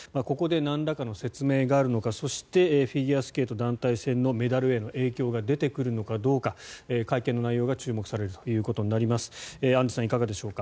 ここでなんらかの説明があるのかそしてフィギュアスケート団体戦のメダルへの影響が出てくるのかどうか会見の内容が注目されるということになります。